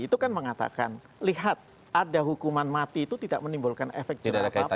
itu kan mengatakan lihat ada hukuman mati itu tidak menimbulkan efek jerah apa apa